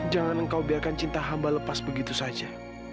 jangan engkau biarkan cinta hamba lepas begitu saja